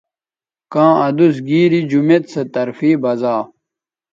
کاں ادوس گیری جمیت سو طرفے بزا